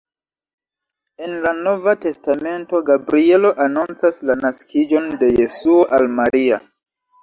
En la nova testamento Gabrielo anoncas la naskiĝon de Jesuo al Maria.